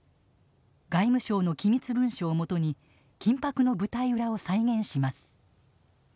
外務省の機密文書を基に緊迫の舞台裏を再現します。